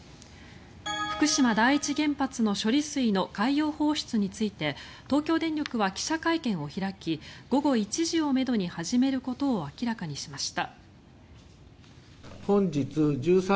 福島第一原発の処理水の海洋放出について東京電力は記者会見を開き午後１時をめどに始めることを明らかにしました。